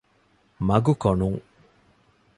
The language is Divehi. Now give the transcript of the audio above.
މަގުކޮނުން